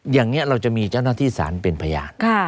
อย่างนี้เราจะมีเจ้าหน้าที่สารเป็นพยาน